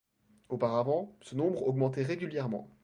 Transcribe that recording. Auparavant, ce nombre augmentait régulièrement.